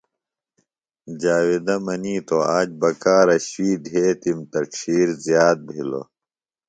جاویدہ منیتو آج بکارہ شُوئی دھیتِم تہ ڇھیر زیات بِھلوۡ۔